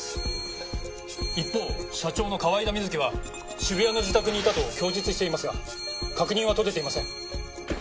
一方社長の河井田瑞希は渋谷の自宅にいたと供述していますが確認は取れていません。